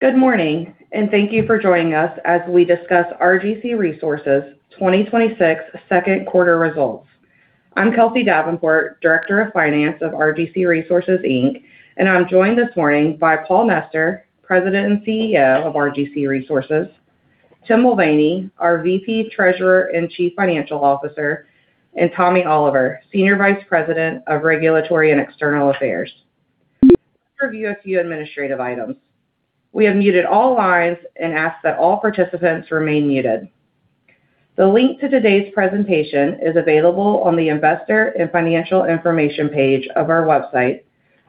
Good morning, and thank you for joining us as we discuss RGC Resources 2026 second quarter results. I'm Kelsie Davenport, Director of Finance of RGC Resources Inc. I'm joined this morning by Paul Nester, President and CEO of RGC Resources; Tim Mulvaney, our VP, Treasurer, and Chief Financial Officer; and Tommy Oliver, Senior Vice President of Regulatory and External Affairs. Let's review a few administrative items. We have muted all lines and ask that all participants remain muted. The link to today's presentation is available on the investor and financial information page of our website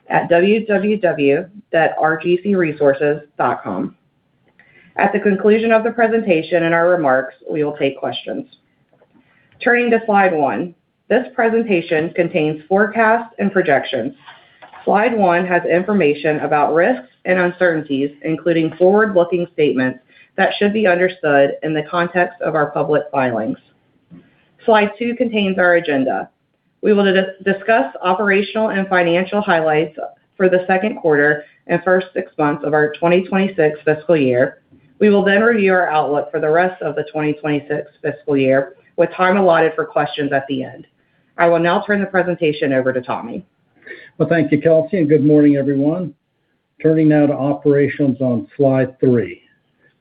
at www.rgcresources.com. At the conclusion of the presentation and our remarks, we will take questions. Turning to slide one. This presentation contains forecasts and projections. Slide one has information about risks and uncertainties, including forward-looking statements that should be understood in the context of our public filings. Slide two contains our agenda. We want to discuss operational and financial highlights for the second quarter and first six months of our 2026 fiscal year. We will review our outlook for the rest of the 2026 fiscal year with time allotted for questions at the end. I will now turn the presentation over to Tommy. Well, thank you, Kelsie, and good morning, everyone. Turning now to operations on slide three.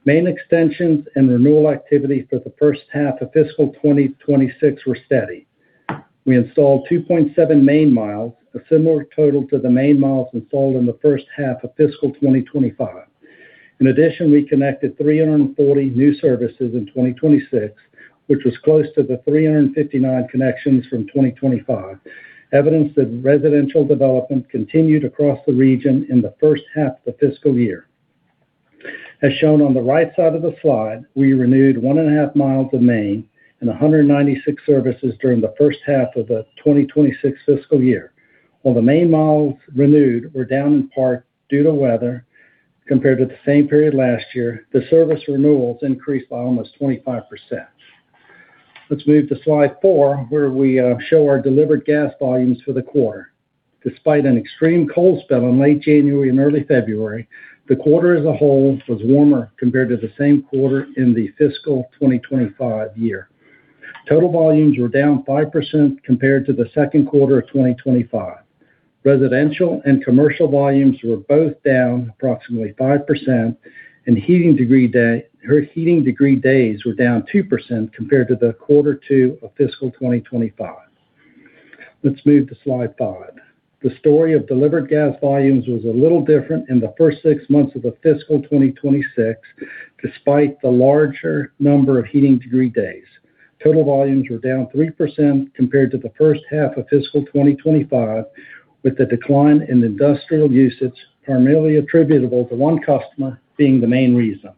Main extensions and renewal activity for the first half of fiscal 2026 were steady. We installed 2.7 main miles, a similar total to the main miles installed in the first half of fiscal 2025. In addition, we connected 340 new services in 2026, which was close to the 359 connections from 2025. Evidence that residential development continued across the region in the first half of the fiscal year. As shown on the right side of the slide, we renewed 1.5 mi of main and 196 services during the first half of the 2026 fiscal year. While the main miles renewed were down in part due to weather compared to the same period last year, the service renewals increased by almost 25%. Let's move to slide four, where we show our delivered gas volumes for the quarter. Despite an extreme cold spell in late January and early February, the quarter as a whole was warmer compared to the same quarter in the fiscal 2025 year. Total volumes were down 5% compared to the second quarter of 2025. Residential and commercial volumes were both down approximately 5% and heating degree days were down 2% compared to the quarter two of fiscal 2025. Let's move to slide five. The story of delivered gas volumes was a little different in the first six months of the fiscal 2026 despite the larger number of heating degree days. Total volumes were down 3% compared to the first half of fiscal 2025, with the decline in industrial usage primarily attributable to one customer being the main reason.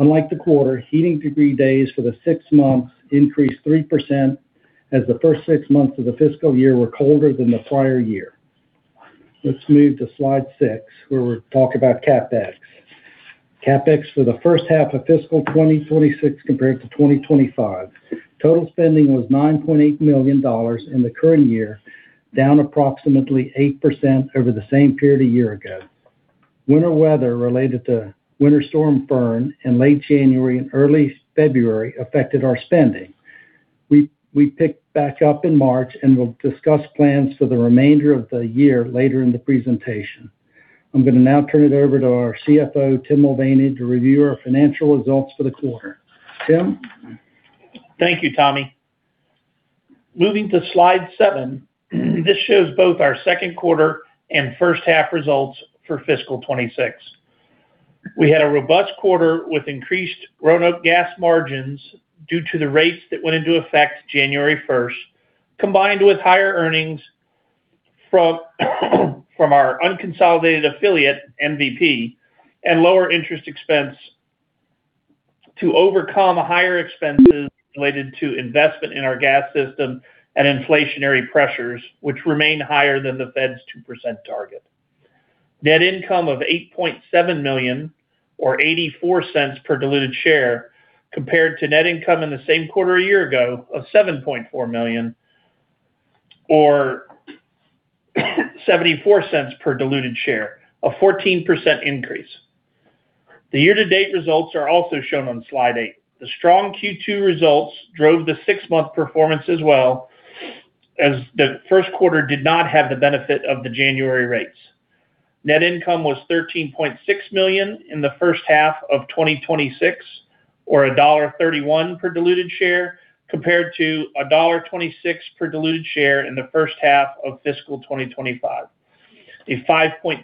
Unlike the quarter, heating degree days for the six months increased 3% as the first six months of the fiscal year were colder than the prior year. Let's move to slide six, where we talk about CapEx. CapEx for the first half of fiscal 2026 compared to 2025. Total spending was $9.8 million in the current year, down approximately 8% over the same period a year ago. Winter weather related to Winter Storm Fern in late January and early February affected our spending. We picked back up in March and we'll discuss plans for the remainder of the year later in the presentation. I'm gonna now turn it over to our CFO, Tim Mulvaney, to review our financial results for the quarter. Tim. Thank you, Tommy. Moving to slide seven, this shows both our second quarter and first half results for fiscal 2026. We had a robust quarter with increased Roanoke Gas margins due to the rates that went into effect January 1st, combined with higher earnings from our unconsolidated affiliate, MVP, and lower interest expense to overcome higher expenses related to investment in our gas system and inflationary pressures, which remain higher than the Fed's 2% target. Net income of $8.7 million or $0.84 per diluted share compared to net income in the same quarter a year ago of $7.4 million or $0.74 per diluted share, a 14% increase. The year-to-date results are also shown on slide eight. The strong Q2 results drove the six-month performance as well as the first quarter did not have the benefit of the January rates. Net income was $13.6 million in the first half of 2026 or $1.31 per diluted share compared to $1.26 per diluted share in the first half of fiscal 2025, a 5.3%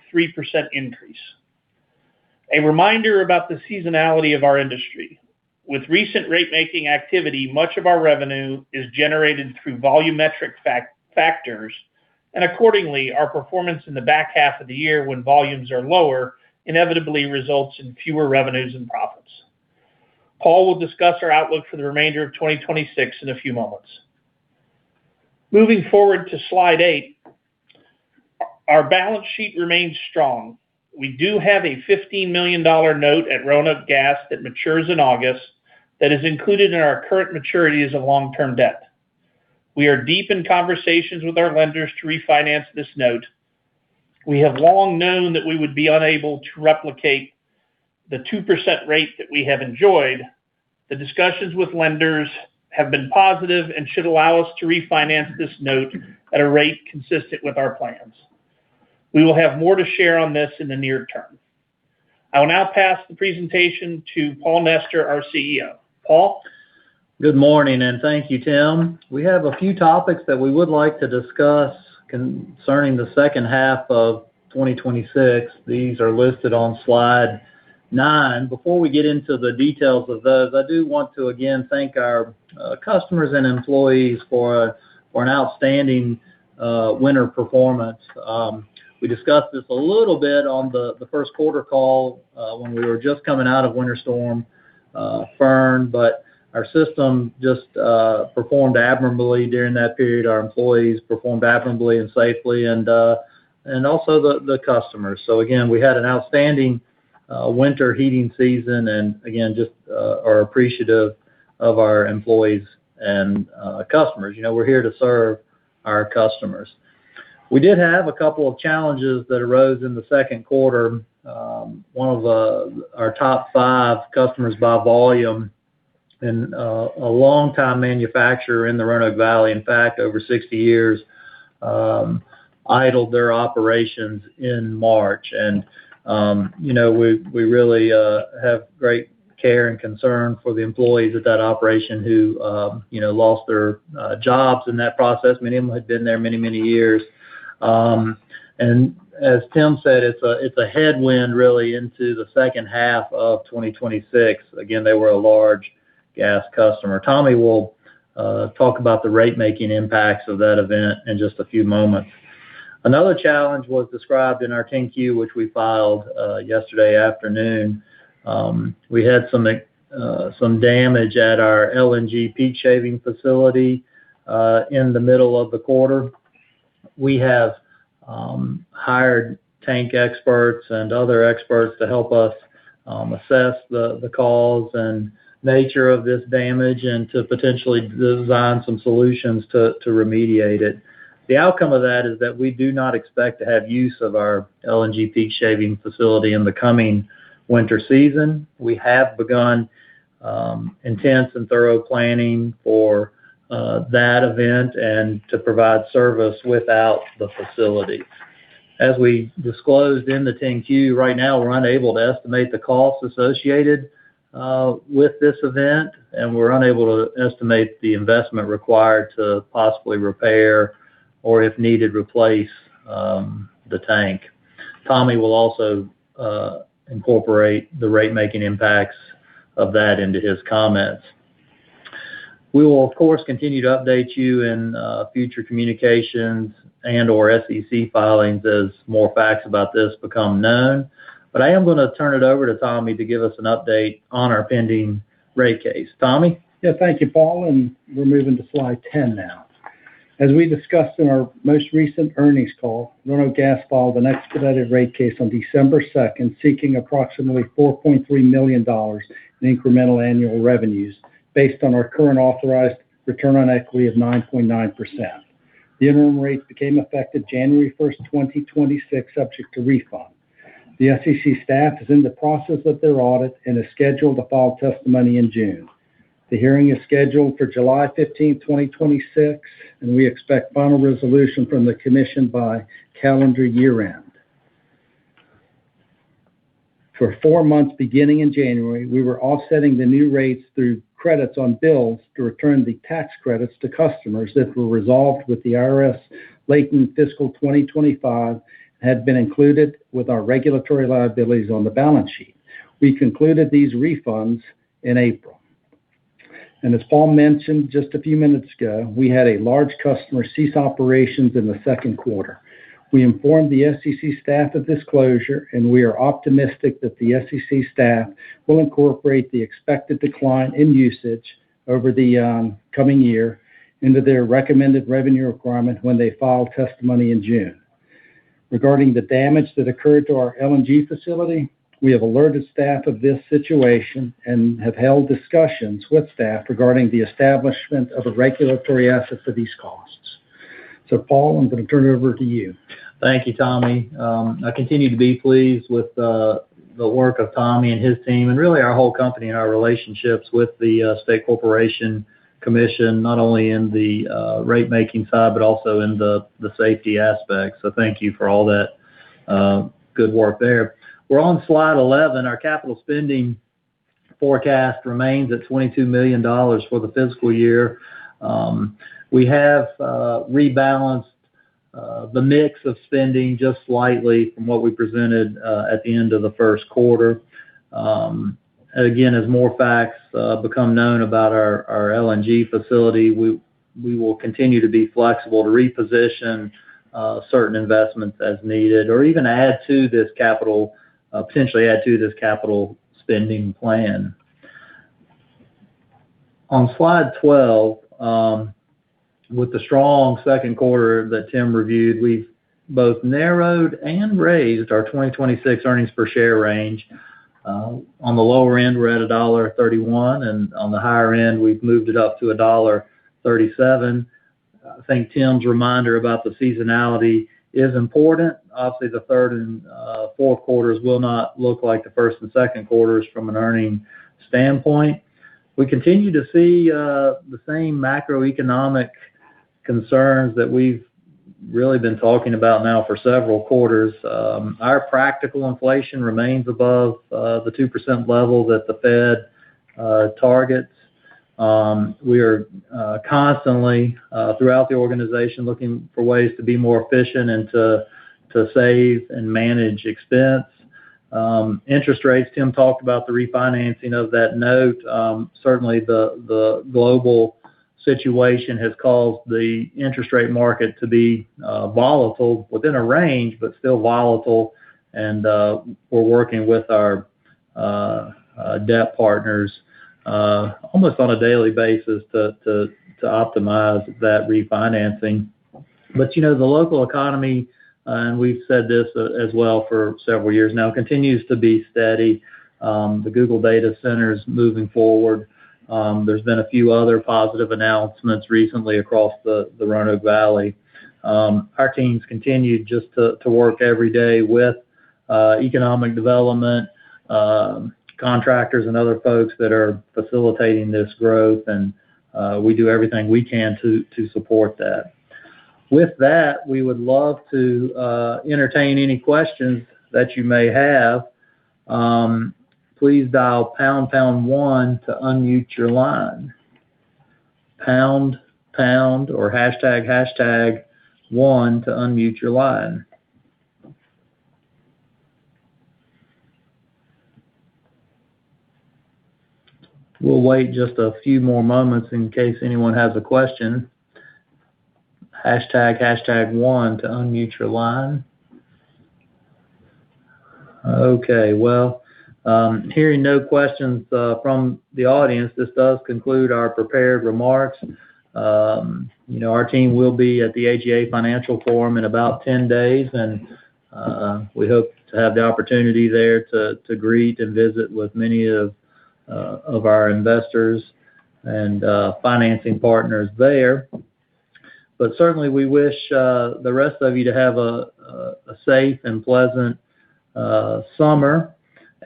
increase. A reminder about the seasonality of our industry. With recent ratemaking activity, much of our revenue is generated through volumetric factors, and accordingly, our performance in the back half of the year when volumes are lower, inevitably results in fewer revenues and profits. Paul will discuss our outlook for the remainder of 2026 in a few moments. Moving forward to slide eight, our balance sheet remains strong. We do have a $15 million note at Roanoke Gas that matures in August that is included in our current maturities of long-term debt. We are deep in conversations with our lenders to refinance this note. We have long known that we would be unable to replicate the 2% rate that we have enjoyed. The discussions with lenders have been positive and should allow us to refinance this note at a rate consistent with our plans. We will have more to share on this in the near term. I will now pass the presentation to Paul Nester, our CEO. Paul? Good morning. Thank you, Tim. We have a few topics that we would like to discuss concerning the second half of 2026. These are listed on slide nine. Before we get into the details of those, I do want to again thank our customers and employees for an outstanding winter performance. We discussed this a little bit on the first quarter call when we were just coming out of Winter Storm Fern, our system just performed admirably during that period. Our employees performed admirably and safely and also the customers. Again, we had an outstanding winter heating season and again, just are appreciative of our employees and customers. You know, we're here to serve our customers. We did have a couple of challenges that arose in the second quarter. One of our top five customers by volume and a longtime manufacturer in the Roanoke Valley, in fact, over 60 years, idled their operations in March. You know, we really have great care and concern for the employees at that operation who, you know, lost their jobs in that process. Many of them had been there many years. As Tim said, it's a headwind really into the second half of 2026. Again, they were a large gas customer. Tommy will talk about the rate-making impacts of that event in just a few moments. Another challenge was described in our 10-Q, which we filed yesterday afternoon. We had some damage at our LNG peak shaving facility in the middle of the quarter. We have hired tank experts and other experts to help us assess the cause and nature of this damage and to potentially design some solutions to remediate it. The outcome of that is that we do not expect to have use of our LNG peak shaving facility in the coming winter season. We have begun intense and thorough planning for that event and to provide service without the facility. As we disclosed in the 10-Q, right now we're unable to estimate the costs associated with this event, and we're unable to estimate the investment required to possibly repair or, if needed, replace the tank. Tommy will also incorporate the rate-making impacts of that into his comments. We will of course, continue to update you in future communications and/or SCC filings as more facts about this become known. I am going to turn it over to Tommy to give us an update on our pending rate case. Tommy? Thank you, Paul, and we're moving to slide 10 now. As we discussed in our most recent earnings call, Roanoke Gas filed an expedited rate case on December 2nd, seeking approximately $4.3 million in incremental annual revenues based on our current authorized return on equity of 9.9%. The interim rates became effective January 1st, 2026, subject to refund. The SCC staff is in the process of their audit and is scheduled to file testimony in June. The hearing is scheduled for July 15th, 2026, and we expect final resolution from the commission by calendar year-end. For four months beginning in January, we were offsetting the new rates through credits on bills to return the tax credits to customers that were resolved with the IRS late in fiscal 2025, had been included with our regulatory liabilities on the balance sheet. We concluded these refunds in April. As Paul mentioned just a few minutes ago, we had a large customer cease operations in the second quarter. We informed the SCC staff of this closure, and we are optimistic that the SCC staff will incorporate the expected decline in usage over the coming year into their recommended revenue requirement when they file testimony in June. Regarding the damage that occurred to our LNG facility, we have alerted staff of this situation and have held discussions with staff regarding the establishment of a regulatory asset for these costs. Paul, I'm gonna turn it over to you. Thank you, Tommy. I continue to be pleased with the work of Tommy and his team and really our whole company and our relationships with the State Corporation Commission, not only in the rate-making side, but also in the safety aspect. Thank you for all that good work there. We're on slide 11. Our capital spending forecast remains at $22 million for the fiscal year. We have rebalanced the mix of spending just slightly from what we presented at the end of the first quarter. Again, as more facts become known about our LNG facility, we will continue to be flexible to reposition certain investments as needed or even potentially add to this capital spending plan. On slide 12, with the strong second quarter that Tim reviewed, we've both narrowed and raised our 2026 earnings per share range. On the lower end, we're at $1.31, and on the higher end, we've moved it up to $1.37. I think Tim's reminder about the seasonality is important. Obviously, the 3rd and 4th quarters will not look like the 1st and 2nd quarters from an earning standpoint. We continue to see the same macroeconomic concerns that we've really been talking about now for several quarters. Our practical inflation remains above the 2% level that the Fed targets. We are constantly throughout the organization, looking for ways to be more efficient and to save and manage expense. Interest rates, Tim talked about the refinancing of that note. Certainly the global situation has caused the interest rate market to be volatile within a range, but still volatile. We're working with our debt partners almost on a daily basis to optimize that refinancing. You know, the local economy, and we've said this as well for several years now, continues to be steady. The Google Data Center is moving forward. There's been a few other positive announcements recently across the Roanoke Valley. Our teams continue just to work every day with economic development, contractors and other folks that are facilitating this growth, we do everything we can to support that. With that, we would love to entertain any questions that you may have. Pound pound or hashtag hashtag one to unmute your line. We'll wait just a few more moments in case anyone has a question. Hashtag hashtag one to unmute your line. Okay. Well, hearing no questions from the audience, this does conclude our prepared remarks. You know, our team will be at the AGA Financial Forum in about 10 days, and we hope to have the opportunity there to greet and visit with many of our investors and financing partners there. Certainly, we wish the rest of you to have a safe and pleasant summer,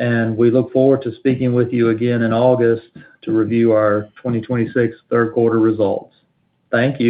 and we look forward to speaking with you again in August to review our 2026 third quarter results. Thank you.